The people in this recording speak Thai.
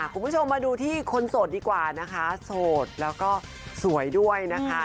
คุณผู้ชมมาดูที่คนโสดดีกว่านะคะโสดแล้วก็สวยด้วยนะคะ